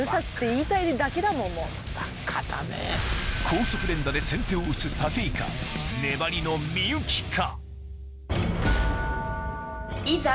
高速連打で先手を打つ武井か粘りの幸かいざ。